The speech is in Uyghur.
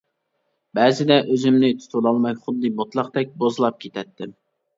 بەزىدە ئۆزۈمنى تۇتۇۋالالماي خۇددى بوتىلاقتەك بوزلاپ كېتەتتىم.